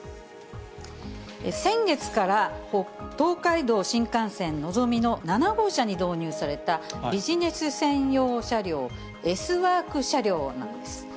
先月から東海道新幹線のぞみの７号車に導入されたビジネス専用車両、ＳＷｏｒｋ車両なんです。